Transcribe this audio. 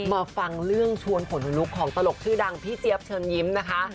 มาฟังเรื่องชวนขนลุกของตลกชื่อดังพี่เจี๊ยบเชิญยิ้มนะคะ